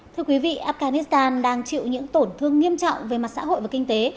thưa quý vị afghanistan đang chịu những tổn thương nghiêm trọng về mặt xã hội và kinh tế